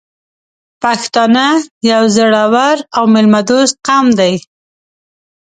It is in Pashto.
پښتانه یو زړور او میلمه دوست قوم دی .